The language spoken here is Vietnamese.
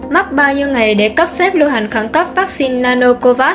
mắc bao nhiêu ngày để cấp phép lưu hành khẩn cấp vaccine nanocovax